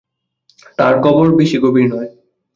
তার কবর, বেশী গভীর নয়।